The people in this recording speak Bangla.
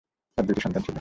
তার দুইটি সন্তান ছিল।